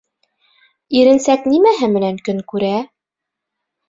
Иренсәк нимәһе менән көн күрә?